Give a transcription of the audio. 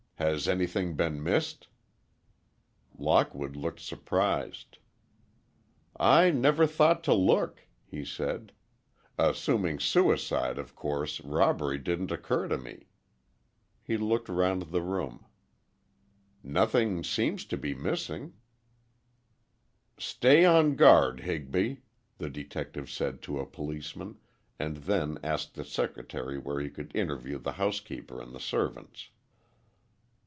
Has anything been missed?" Lockwood looked surprised. "I never thought to look," he said; "assuming suicide, of course robbery didn't occur to me." He looked round the room. "Nothing seems to be missing." "Stay on guard, Higby," the detective said to a policeman, and then asked the secretary where he could interview the housekeeper and the servants.